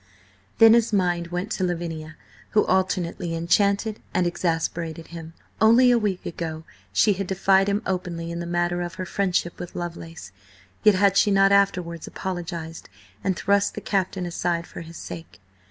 Then his mind went to Lavinia, who alternately enchanted and exasperated him. Only a week ago she had defied him openly in the matter of her friendship with Lovelace, yet had she not afterwards apologised, and thrust the Captain aside for his sake?